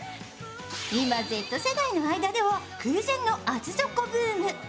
今、Ｚ世代の間では空前の厚底ブーム。